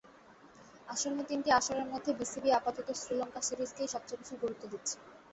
আসন্ন তিনটি আসরের মধ্যে বিসিবি আপাতত শ্রীলঙ্কা সিরিজকেই সবচেয়ে বেশি গুরুত্ব দিচ্ছে।